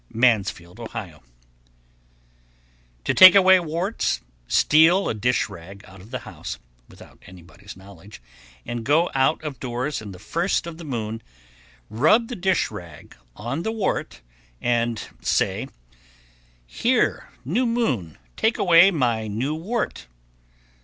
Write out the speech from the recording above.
Mansfield, O. 1139. To take away warts, steal a dish rag out of the house, without anybody's knowledge, and go out of doors in the first of the moon, rub the dish rag on the wart, and say: "Here, new moon! take away my new wart."